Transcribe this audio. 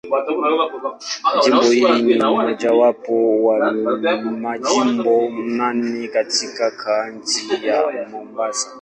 Jimbo hili ni mojawapo ya Majimbo manne katika Kaunti ya Mombasa.